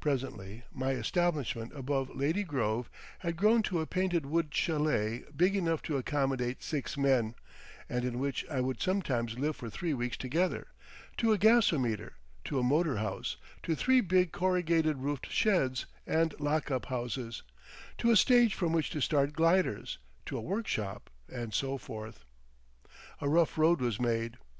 Presently my establishment above Lady Grove had grown to a painted wood chalet big enough to accommodate six men, and in which I would sometimes live for three weeks together; to a gasometer, to a motor house, to three big corrugated roofed sheds and lock up houses, to a stage from which to start gliders, to a workshop and so forth. A rough road was made.